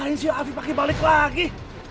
apaan sih afi pake balik lagi